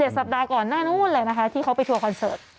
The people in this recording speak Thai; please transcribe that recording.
สัปดาห์ก่อนหน้านู้นเลยนะคะที่เขาไปทัวร์คอนเสิร์ต